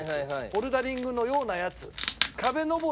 ボルダリングのようなやつ。